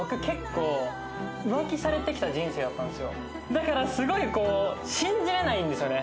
だからすごいこう信じられないんですよね。